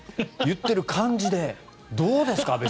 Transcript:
言ってる感じでどうですか？